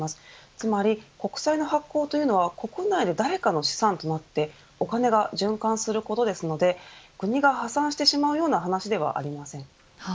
つまり国債の発行というのは国内の誰かの資産となってお金が循環することですので国が破産してしまうような話ではありません。